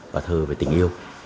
và thơ về tình yêu